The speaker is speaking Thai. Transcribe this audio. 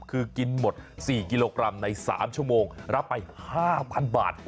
คือกินหมด๔กิโลกรัมใน๓ชั่วโมงรับไป๕๐๐๐บาท